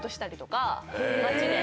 街で。